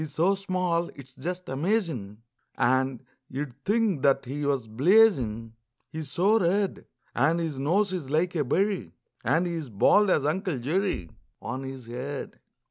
"] He's so small, it's just amazin', And you 'd think that he was blazin', He's so red; And his nose is like a berry, And he's bald as Uncle Jerry On his head.